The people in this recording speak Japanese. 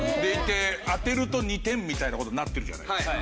当てると２点みたいな事になってるじゃないですか。